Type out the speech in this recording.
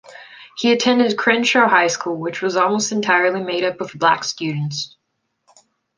He attended Crenshaw High School, which was almost entirely made up of black students.